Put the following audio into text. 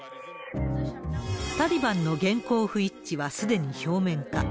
タリバンの言行不一致はすでに表面化。